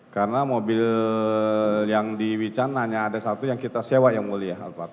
karena mobil yang di wican hanya ada satu yang kita sewa yang mulia